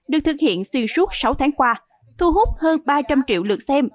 được thực hiện xuyên suốt sáu tháng qua thu hút hơn ba trăm linh triệu lượt xem